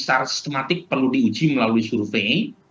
secara sistematik perlu diuji melalui survei